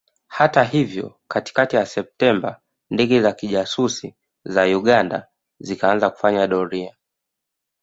Hata hivyo katikakati ya Septemba ndege za kijasusi za Uganda zikaanza kufanya doria